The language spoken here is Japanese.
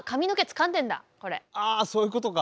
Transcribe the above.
ああそういうことか。